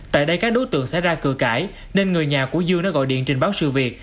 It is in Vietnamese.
tại đây các đối tượng sẽ ra cửa cãi nên người nhà của dương đã gọi điện trình báo sự việc